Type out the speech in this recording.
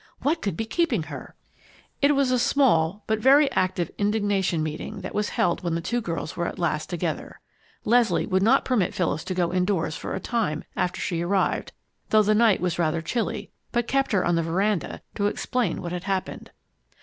What could be keeping her? It was a small, but very active, indignation meeting that was held when the two girls were at last together. Leslie would not permit Phyllis to go indoors for a time after she arrived, though the night was rather chilly, but kept her on the veranda to explain what had happened.